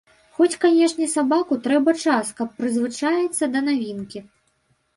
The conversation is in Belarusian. Хоць, канечне, сабаку трэба час, каб прызвычаіцца да навінкі.